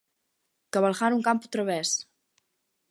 Cabalgaron campo a través.